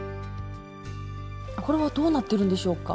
これはどうなってるんでしょうか？